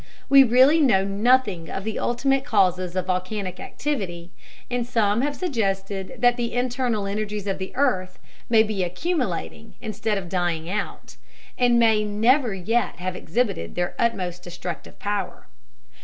We really know nothing of the ultimate causes of volcanic activity, and some have suggested that the internal energies of the earth may be accumulating instead of dying out, and may never yet have exhibited their utmost destructive power.